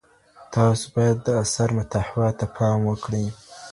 تاسو باید د اثر محتوا ته پام وکړئ.